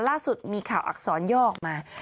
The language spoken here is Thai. ล่าสุดมีข่าวอักษรย่อออกมา